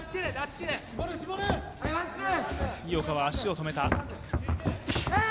井岡は足を止めた。